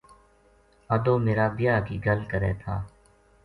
ادو میرا بیاہ کی گَل کرے تھا